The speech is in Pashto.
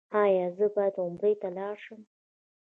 ایا زه باید عمرې ته لاړ شم؟